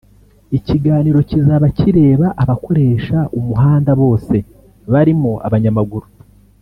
Ikiganiro kizaba kireba abakoresha umuhanda bose barimo abanyamaguru